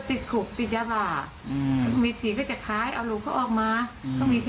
จับผู้ใช้จับผู้ใช้จับเหรอ